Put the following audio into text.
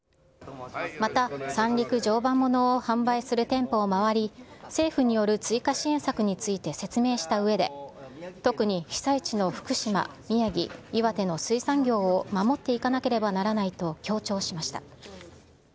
また三陸常磐ものを販売する店舗を回り、政府による追加支援策について説明したうえで、特に被災地の福島、宮城、岩手の水産業を守っていかなければならないと強調しました。